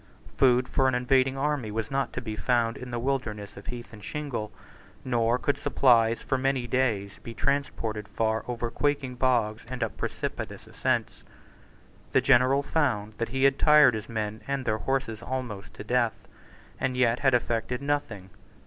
Food for an invading army was not to be found in the wilderness of heath and shingle; nor could supplies for many days be transported far over quaking bogs and up precipitous ascents. The general found that he had tired his men and their horses almost to death, and yet had effected nothing.